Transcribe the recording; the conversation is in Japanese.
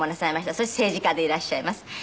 そして政治家でいらっしゃいます。